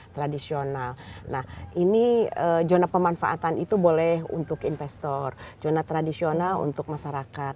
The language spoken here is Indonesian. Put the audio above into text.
tradisional nah ini zona pemanfaatan itu boleh untuk investor zona tradisional untuk masyarakat